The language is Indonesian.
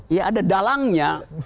ya ada dalangnya